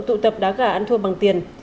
tụ tập đá gà ăn thua bằng tiền